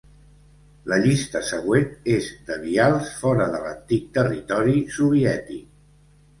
La llista següent és de vials fora de l'antic territori soviètic.